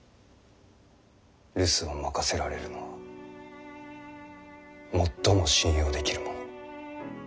留守を任せられるのは最も信用できる者。